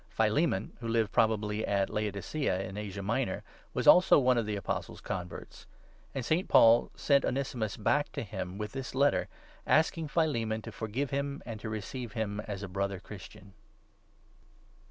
Philemon, who lived probably at Laodicea in Asia Minor, was also one of the Apostle's converts; and St. Paul sent Onesimus back to him with this Letter, asking Philemon to forgive him, and to receive him as a Brother Christian.